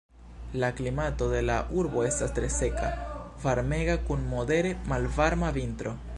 La klimato de la urbo estas tre seka, varmega, kun modere malvarma vintro.